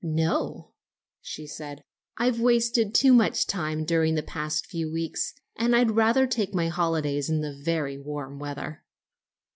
"No," she said; "I've wasted too much time during the past few weeks, and I'd rather take my holidays in the very warm weather."